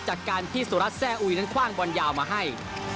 จากการที่สุรัสตแซ่อุยนั้นคว่างบอลยาวมาให้